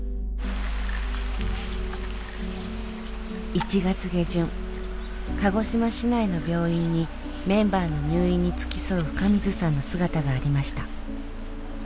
１月下旬鹿児島市内の病院にメンバーの入院に付き添う深水さんの姿がありました。